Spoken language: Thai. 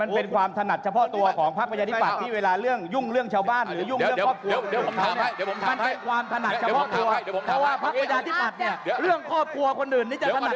มันเป็นความถนัดเฉพาะตัวของพระพระยาทิปัตย์